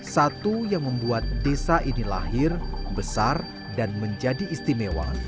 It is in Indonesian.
satu yang membuat desa ini lahir besar dan menjadi istimewa